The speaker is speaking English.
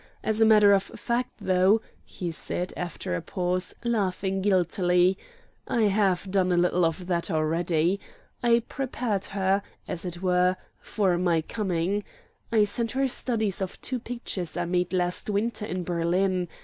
As a matter of fact, though," he said, after a pause, laughing guiltily, "I have done a little of that already. I prepared her, as it were, for my coming. I sent her studies of two pictures I made last winter in Berlin.